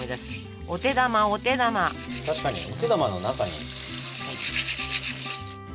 確かにお手玉の中に。